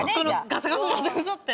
ガサガサガサガサ！って。